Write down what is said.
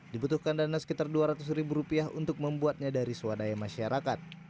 dibutuhkan dana sekitar dua ratus ribu rupiah untuk membuatnya dari swadaya masyarakat